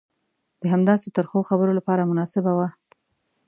د همداسې ترخو خبرو لپاره مناسبه وه.